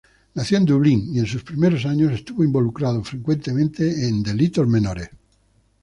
Nació en Dublín y en sus primeros años estuvo involucrado frecuentemente en delitos menores.